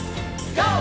ＧＯ！